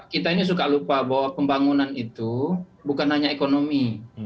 kita ini suka lupa bahwa pembangunan itu bukan hanya ekonomi